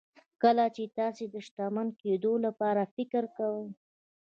کله چې تاسې د شتمن کېدو لپاره فکر کوئ.